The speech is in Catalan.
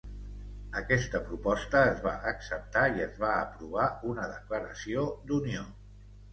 Aquesta proposta es va acceptar i es va aprovar una declaració d'unió.